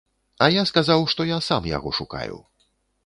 А я сказаў, што я сам яго шукаю.